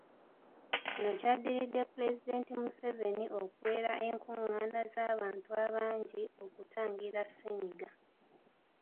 Kino kyaddiridde Pulezidenti Museveni okuwera enkungaana z’abantu abangi okutangira ssennyiga.